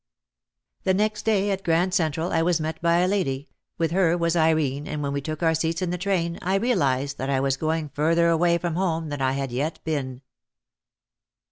The next day at Grand Central I was met by a lady, with her was Irene and when we took our seats in the train I realised that I was going further away from home than I had yet been.